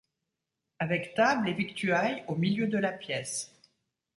Avec table et victuailles au milieu de la pièce.